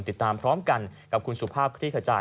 ติดตามพร้อมกันกับคุณสุภาพคลี่ขจาย